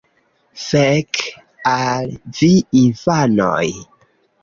Fek' al vi infanoj!